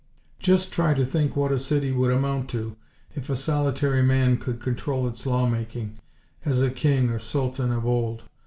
Just try to think what a city would amount to if a solitary man could control its law making, as a King or Sultan of old.